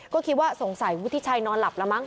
ก็คิดว่าสงสัยวุฒิชัยนอนหลับแล้วมั้